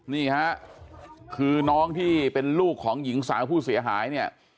นี่ฮะคือน้องที่เป็นลูกของหญิงสาวผู้เสียหายเนี่ย